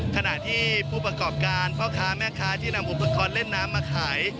ขณะที่ผู้ประกอบกันเป้าค้าแม่ค้าที่นำอุบัติฐานเล่นน้ำมาขาย